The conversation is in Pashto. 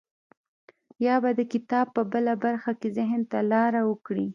يا به د کتاب په بله برخه کې ذهن ته لاره وکړي.